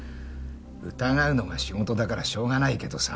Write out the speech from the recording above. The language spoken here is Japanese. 疑うのが仕事だからしょうがないけどさ。